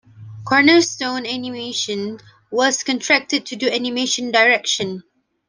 Cornerstone Animation was contracted to do animation direction.